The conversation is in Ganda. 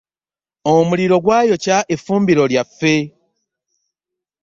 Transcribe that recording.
Omuliro gwa yokya efumbiro lyaffe.